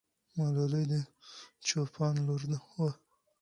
ملالۍ د چوپان لور وه.